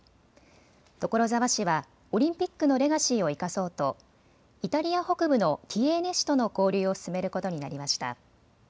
所沢市はオリンピックのレガシーを生かそうとイタリア北部のティエーネ市との交流を進めることになりました。